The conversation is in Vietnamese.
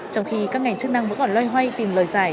trong khi các ngành chức năng vẫn còn loay hoay tìm lời giải